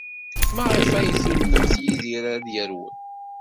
Maɣef ay tullemt Yidir ad yerwel?